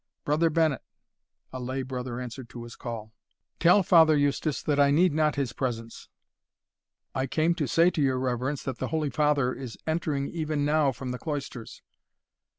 Brother Bennet," (a lay brother answered to his call) " tell Father Eustace that I need not his presence." "I came to say to your reverence, that the holy father is entering even now from the cloisters."